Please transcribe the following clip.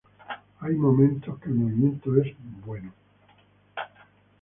Hay momentos que el movimiento es bueno.